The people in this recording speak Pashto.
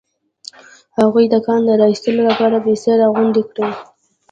هغوی د کان د را ايستلو لپاره پيسې راغونډې کړې.